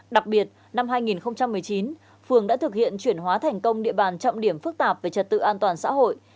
đặc biệt năm hai nghìn một mươi chín phường đã thực hiện chuyển hóa thành công địa bàn trọng điểm phức tạp về trật tự an toàn xã hội